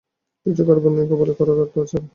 কিছু করবার নেই, কপালে করাঘাত ছাড়া।